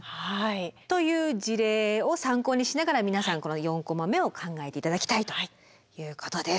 という事例を参考にしながら皆さんこの４コマ目を考えて頂きたいということです。